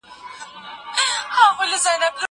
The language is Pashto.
زه سفر کړی دی؟!